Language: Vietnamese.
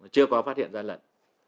chưa có phát hiện gian lận